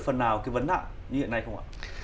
phần nào cái vấn nạn như hiện nay không ạ